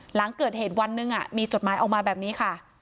หลังเกิดเหตุวันหนึ่งมีจดหมายออกมาแบบนี้ค่ะ